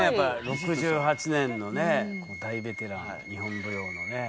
６８年のね大ベテラン日本舞踊のね。